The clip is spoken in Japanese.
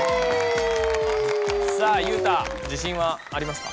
さあ裕太じしんはありますか？